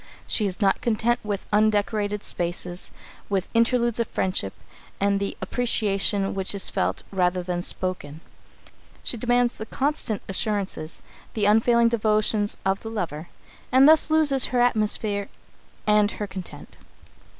She is not content with undecorated spaces; with interludes of friendship and the appreciation which is felt, rather than spoken. She demands the constant assurances, the unfailing devotion of the lover, and thus loses her atmosphere and her content.